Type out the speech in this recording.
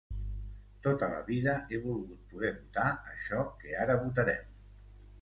Tota la vida he volgut poder votar això que ara votarem.